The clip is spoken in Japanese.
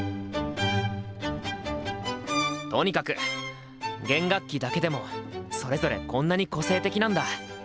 とにかく弦楽器だけでもそれぞれこんなに個性的なんだ。